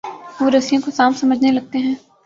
وہ رسیوں کو سانپ سمجھنے لگتے ہیں۔